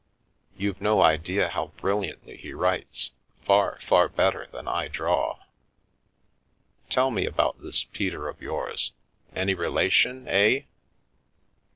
You've no idea how brilliantly he writes, far, far better than I draw." " Tell me about this Peter of yours. Any relation, eh?"